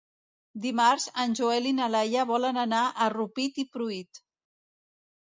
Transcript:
Dimarts en Joel i na Laia volen anar a Rupit i Pruit.